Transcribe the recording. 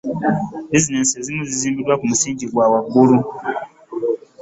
bizineesi ezimu zizimbiddwa ku musingi ogwa waggulu